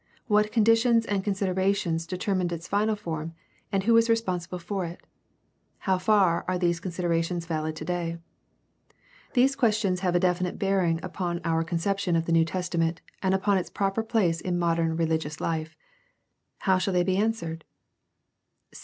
What conditions and considerations determined its final form, and who was respon sible for it ? How far are those considerations valid today ? These questions have a definite bearing upon our con ception of the New Testament and upon its proper place in modem rehgious life. How shall they be answered